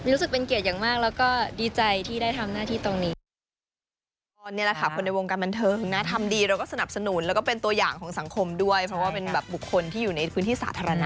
รู้สึกเป็นเกียรติอย่างมากแล้วก็ดีใจที่ได้ทำหน้าที่ตรงนี้